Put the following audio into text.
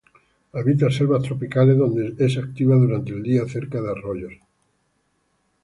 Habita selvas tropicales, donde es activa durante el día cerca de arroyos.